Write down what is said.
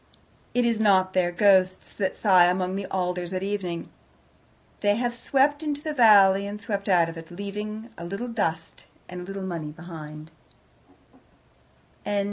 It is not their ghosts that sigh among the alders at evening. They have swept into the valley and swept out of it, leaving a little dust and a little money behind.